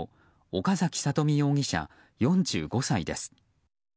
岡崎里美容疑者、４５歳です。